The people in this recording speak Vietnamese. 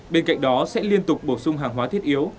bên cạnh đó sẽ liên tục bổ sung hàng hóa thiết yếu